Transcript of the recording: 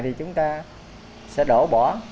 thì chúng ta sẽ đổ bỏ